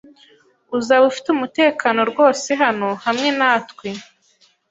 Uzaba ufite umutekano rwose hano hamwe natwe.